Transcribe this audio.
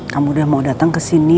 kamu udah mau datang ke sini